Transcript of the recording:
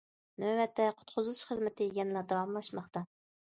نۆۋەتتە قۇتقۇزۇش خىزمىتى يەنىلا داۋاملاشماقتا.